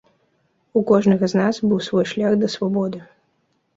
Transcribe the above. У кожнага з нас быў свой шлях да свабоды.